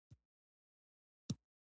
په تبسم په خندا خبرې کولې.